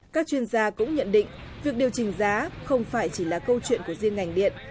các chuyên gia cũng nhận định việc điều chỉnh giá không phải chỉ là câu chuyện của riêng ngành điện